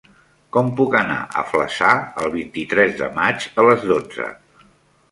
Com puc anar a Flaçà el vint-i-tres de maig a les dotze?